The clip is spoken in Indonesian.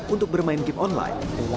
untuk bermain game online